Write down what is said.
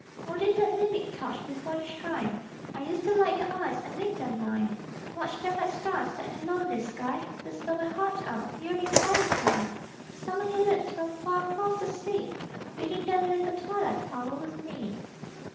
Holding that mimic torch before your shrine I used to light your eyes and make them mine; Watch them like stars set in a lonely sky, Whisper my heart out, yearning for reply; Summon your lips from far across the sea Bidding them live a twilight hour with me.